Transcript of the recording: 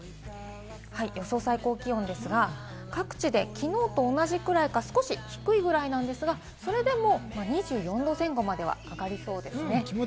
予想最高気温ですが、各地できのうと同じくらいか少し低いくらいなんですが、それでも２４度前後までは上がりそうですね。